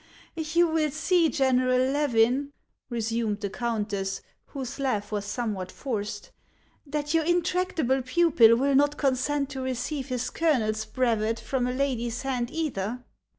•'You will see, General Levin/' resumed the countess, HANS OF ICELAND. 129 whose laugh was somewhat forced, " that your intractable pupil will not consent to receive his colonel's brevet from a lady's hand either."